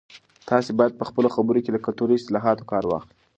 تاسي باید په خپلو خبرو کې له کلتوري اصطلاحاتو کار واخلئ.